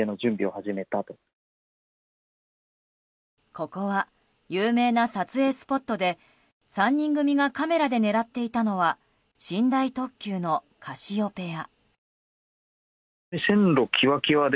ここは有名な撮影スポットで３人組がカメラで狙っていたのは寝台特急の「カシオペア」。